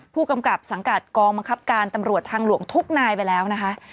ผู้กำกับสังกัดกองบังคับการตำรวจทางหลวงทุกนายไปแล้วนะคะ